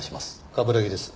冠城です。